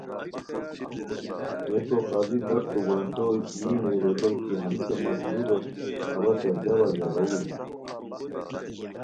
ریکو قاضی لوٹ توپنچو یی نے ریتائے کی ہنیسے مت لو دیت اوا تہ ژاوا ژاروڑی؟